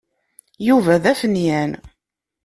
Yuba d afenyan.